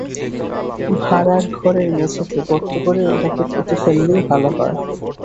ভাঁড়ার ঘরের মেঝেতে গর্ত করে ওটাকে পুঁতে ফেললেই ভালো হয়।